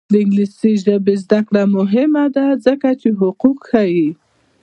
د انګلیسي ژبې زده کړه مهمه ده ځکه چې حقوق ښيي.